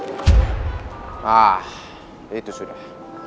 nah itu sudah